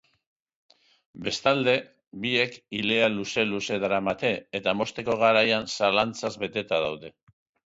Bestalde, biek ilea luze-luze daramate eta mozteko garaian zalantzaz beteta daude.